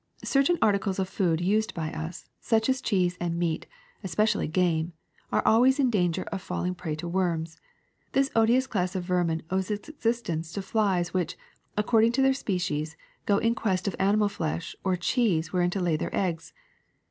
Certain articles of food used by us, such as cheese and meat, especially game, are always in danger of falling a prey to worms. This odious class of vermin owes its existence to flies which, according to their species, go in quest of ani mal flesh or of cheese wherein to lay their eggs.